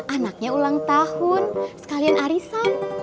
anaknya ulang tahun sekalian arisan